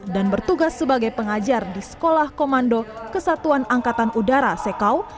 dan bertugas sebagai pengajar di sekolah komando kesatuan angkatan udara sekau